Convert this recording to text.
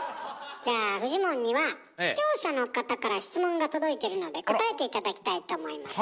じゃあフジモンには視聴者の方から質問が届いているので答えて頂きたいと思います。